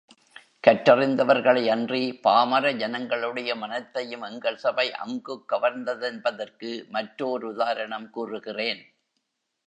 கற்றறிந்தவர்களை அன்றி, பாமர ஜனங்களுடைய மனத்தையும் எங்கள் சபை அங்குக் கவர்ந்ததென்பதற்கு மற்றோர் உதாரணம் கூறுகிறேன்.